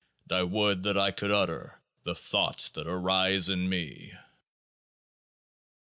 And I would that I could utter The thoughts that arise in me